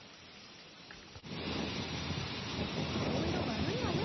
顔色悪いわよ